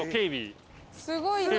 すごい。